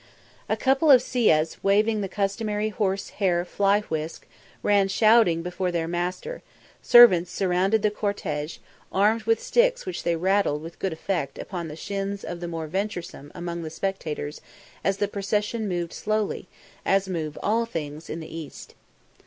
A couple of siyas waving the customary horsehair fly whisk ran shouting before their master; servants surrounded the cortège, armed with sticks which they rattled with good effect upon the shins of the more venturesome among the spectators as the procession moved slowly, as move all things in the East.